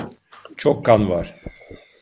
Çok kan var.